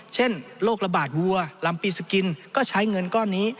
เช่นโรคระบาดวัวลำปีสกินก็ใช้เงินก้อนนี้